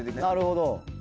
なるほど。